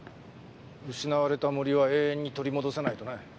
失われた森は永遠に取り戻せないとね。